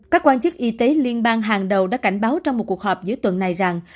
các quan chức y tế liên bang hàng đầu đã cảnh báo trong một cuộc họp giữa tuần này rằng